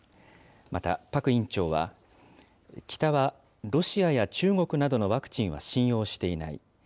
また、パク院長は、北はロシアや中国などのワクチンは信用していない。